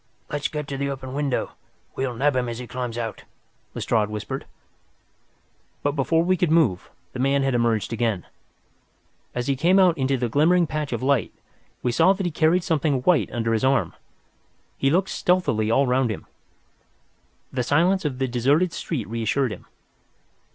"Let us get to the open window. We will nab him as he climbs out," Lestrade whispered. But before we could move, the man had emerged again. As he came out into the glimmering patch of light, we saw that he carried something white under his arm. He looked stealthily all round him. The silence of the deserted street reassured him.